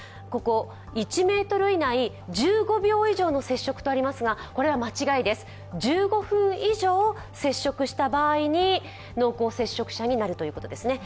ここ、１ｍ以内、１５秒以上の接触とありますが、これは間違いです、１５分以上接触した場合に濃厚接触者になるということです。